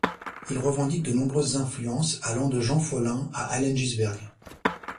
Il revendique de nombreuses influences allant de Jean Follain à Allen Ginsberg.